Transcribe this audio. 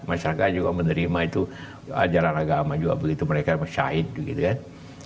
masyarakat juga menerima itu ajaran agama juga begitu mereka bersyahid gitu kan